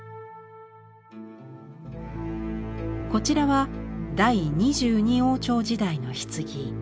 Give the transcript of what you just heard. こちらは第２２王朝の時代の棺。